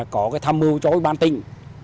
có cái tham mưu cho ủy ban tỉnh